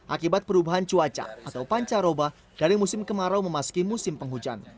akibat perubahan cuaca atau pancaroba dari musim kemarau memasuki musim penghujan